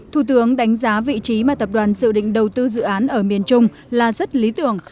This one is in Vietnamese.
thủ tướng đánh giá vị trí mà tập đoàn dự định đầu tư dự án ở miền trung là rất lý tưởng